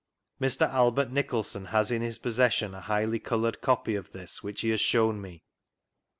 Mr. Albert Nicholson has in his possession a highly coloured copy of this, which he h^ shown me.